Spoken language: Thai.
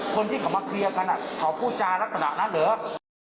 คนที่เขามาเคลียร์กันเขาพูดจารักษณะนั้นเหรอ